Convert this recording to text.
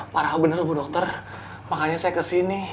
parah benar bu dokter makanya saya kesini